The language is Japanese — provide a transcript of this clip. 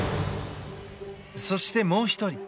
そして、もう１人。